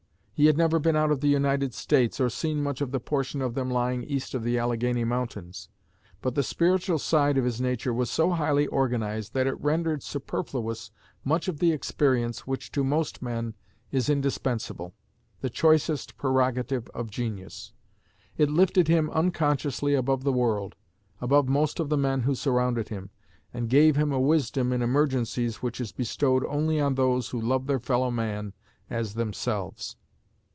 He had never been out of the United States, or seen much of the portion of them lying east of the Alleghany Mountains. But the spiritual side of his nature was so highly organized that it rendered superfluous much of the experience which to most men is indispensable the choicest prerogative of genius. It lifted him unconsciously above the world, above most of the men who surrounded him, and gave him a wisdom in emergencies which is bestowed only on those who love their fellow man as themselves....